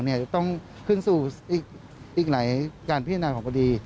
จะต้องขึ้นสู่อีกหลายการพิจารณาของคดี